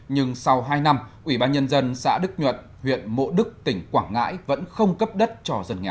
nhưng sau hai năm ủy ban nhân dân xã đức nhuận huyện mộ đức tỉnh quảng ngãi vẫn không cấp đất cho dân nghèo